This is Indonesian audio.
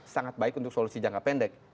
sangat baik untuk solusi jangka pendek